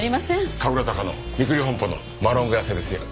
神楽坂の御栗本舗のマロングラッセですよ。